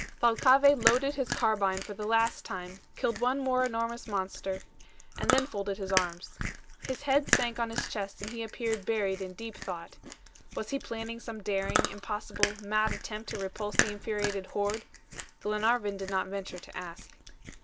Thalcave loaded his carbine for the last time, killed one more enormous monster, and then folded his arms. His head sank on his chest, and he appeared buried in deep thought. Was he planning some daring, impossible, mad attempt to repulse the infuriated horde? Glenarvan did not venture to ask.